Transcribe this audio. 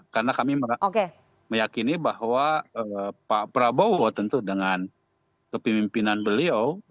karena kami meyakini bahwa pak prabowo tentu dengan kepemimpinan beliau